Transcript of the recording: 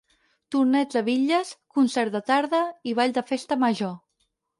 Torneig de bitlles, concert de tarda i ball de festa major.